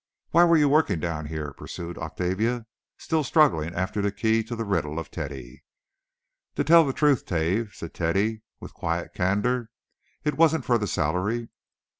"Why were you working down here?" pursued Octavia still struggling after the key to the riddle of Teddy. "To tell the truth, 'Tave," said Teddy, with quiet candour, "it wasn't for the salary.